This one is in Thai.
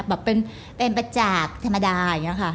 แบบเป็นประจาดธรรมดาอย่างนี้ค่ะ